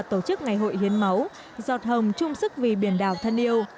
tổ chức ngày hội hiến máu giọt hồng trung sức vì biển đảo thân yêu